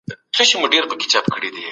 د بل چا په ټوکو مه خاندئ که هغه خفه کیږي.